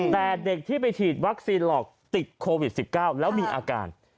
แต่เด็กที่ไปฉีดวัคซีนหลอกติดโควิด๑๙แล้วมีอาการ